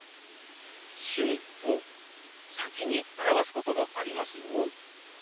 「趣味」を先に表すこともありますよ。